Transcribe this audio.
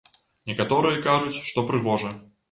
Некаторыя кажуць, што прыгожа.